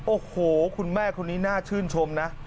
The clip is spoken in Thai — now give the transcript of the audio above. โอ้โหคุณแม่คนนี้น่าชื่นชมนะ